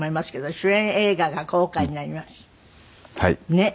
ねっ！